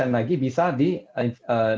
terus kemudian kemudian kemudian kemudian kemudian